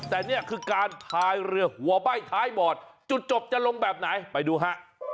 แต่นี่คือการพายเรือหัวใบ้ท้ายบอดจุดจบจะลงแบบไหนไปดูฮะ